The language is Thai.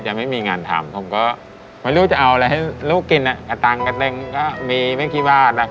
จะไม่มีงานทำผมก็ไม่รู้จะเอาอะไรให้ลูกกินอะกับตังค์กับเต็มก็มีเมื่อกี้บาทอะ